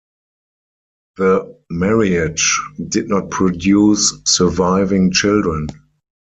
The marriage did not produce surviving children.